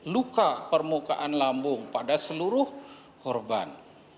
luka permukaan lambung pada seluruh korban